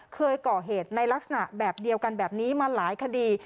เคยก่อเหตุในลักษณะแบบเดียวกันแบบนี้มาหลายคดี